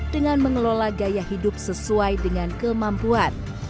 dengan mengelola gaya hidup sesuai dengan kemampuan